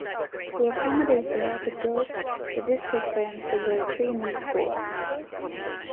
To accommodate the rapid growth, the district plans to build three new schools.